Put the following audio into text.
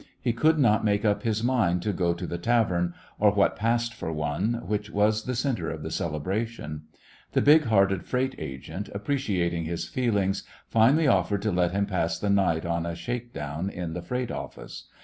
He could not make up his A Christmas When mind to go to the tavern, or what passed for one, which was the center of the celebration. The big hearted freight agent, appreciating his feel ings, finally offered to let him pass the night on a shake down in the freight office.